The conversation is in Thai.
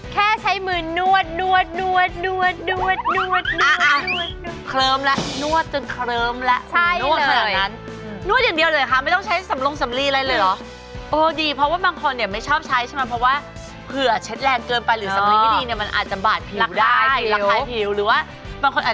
แค่ใช้มือนวด